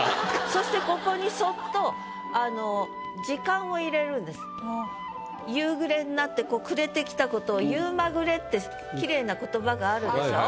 そしてここにそっとあの夕暮れになってこう暮れてきたことをってキレイな言葉があるでしょ？